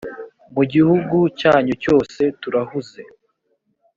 mu gihugu cyanyu cyose turahuze